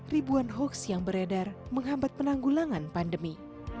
ribuan hoaks yang beredar menghambat penanggulangan pandemi